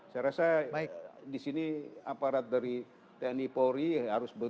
saya rasa disini aparat dari tni dan polri harus betul